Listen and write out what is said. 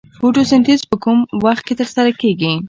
فتوسنتیز په کوم وخت کې ترسره کیږي